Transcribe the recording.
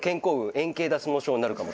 「円形脱毛症になるかも」